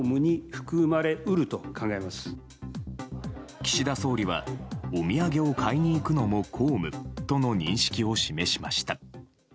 岸田総理はお土産を買いに行くのも公務との認識を示しました。